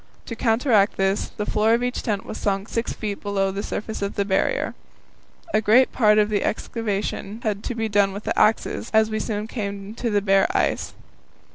To counteract this, the floor of each tent was sunk 6 feet below the surface of the Barrier. A great part of this excavation had to be done with axes, as we soon came to the bare ice.